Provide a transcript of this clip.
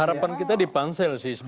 harapan kita dipansel sih sebetulnya